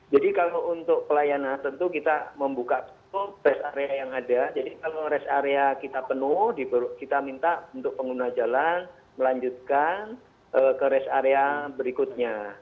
jadi kalau untuk pelayanan tentu kita membuka rest area yang ada jadi kalau rest area kita penuh kita minta untuk pengguna jalan melanjutkan ke rest area berikutnya